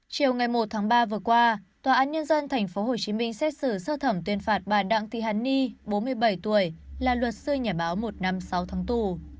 chiều ngày một tháng ba vừa qua tòa án nhân dân tp hcm xét xử sơ thẩm tuyên phạt bà đặng thị hàn ni bốn mươi bảy tuổi là luật sư nhà báo một năm sáu tháng tù